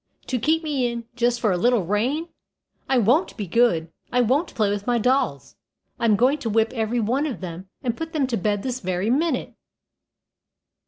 To keep me in just for a little rain! I won't be good I won't play with my dolls. I'm going to whip every one of them, and put them to bed this very minute."